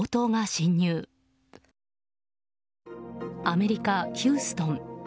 アメリカ・ヒューストン。